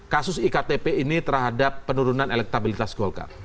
kasus iktp ini terhadap penurunan elektabilitas golkar